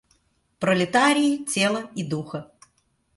Пролетарии тела и духа.